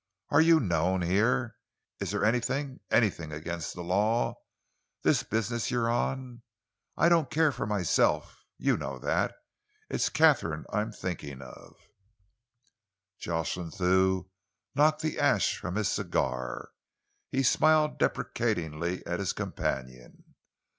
Are you known here? Is it anything anything against the law, this business you're on? I don't care for myself you know that. It's Katharine I'm thinking of." Jocelyn Thew knocked the ash from his cigar. He smiled deprecatingly at his companion.